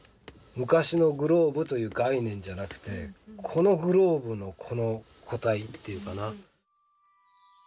昔のグローブという概念じゃなくてこのグローブのこの個体っていうかな。